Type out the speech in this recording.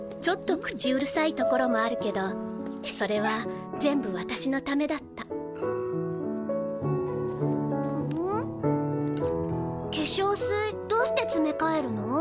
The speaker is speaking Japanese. ちょっと口うるさいところもあるけどそれは全部私のためだった化粧水どうしてつめかえるの？